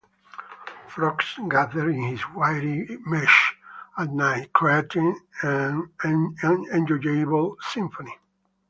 Frogs gather in this wiry mesh at night, creating an enjoyable symphony.